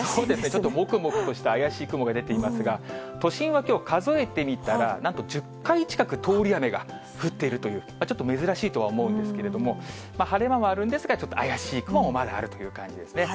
ちょっともくもくとした怪しい雲が出ていますが、都心はきょう、数えてみたら、なんと１０回近く、通り雨が降っているという、ちょっと珍しいとは思うんですけれども、晴れ間もあるんですが、ちょっと怪しい雲もまだあるという感じですね。